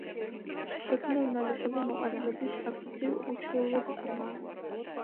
ოდნავ ნალისებრი მოყვანილობის აფსიდი უჩვეულოდ ღრმაა.